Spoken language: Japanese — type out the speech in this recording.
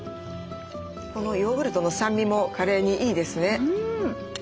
このヨーグルトの酸味もカレーにいいですね。